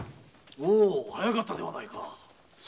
早かったではないか。